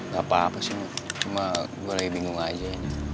gak apa apa sih ma cuma gue lagi bingung aja